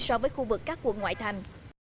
so với khu vực các quận ngoại thành